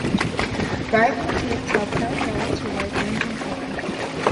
Ripe fruits are pale yellow to light orange in color.